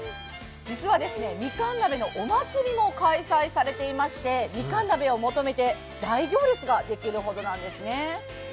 実はみかん鍋のお祭りも開催されていましてみかん鍋を求めて大行列ができるほどなんですね。